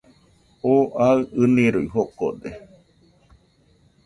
Oo aɨ ɨniroi jokode